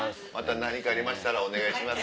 何かありましたらお願いします。